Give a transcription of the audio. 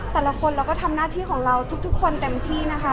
แต่ละคนเราก็ทำหน้าที่ของเราทุกคนเต็มที่นะคะ